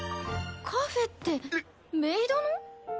カフェってメイドの？